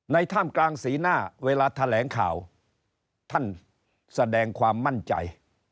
ท่ามกลางสีหน้าเวลาแถลงข่าวท่านแสดงความมั่นใจ